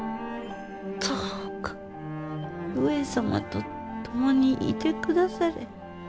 どうか上様と共にいて下され。